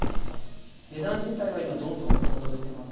値段自体は今、どんどん高騰してます。